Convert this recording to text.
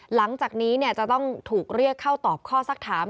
หลังจากนี้จะต้องถูกเรียกเข้าตอบข้อสักถาม